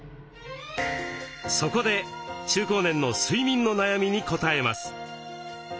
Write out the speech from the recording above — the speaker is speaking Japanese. そこで中高年の睡眠の悩みにこたえます。